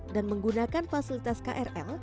dan menggunakan fasilitas krl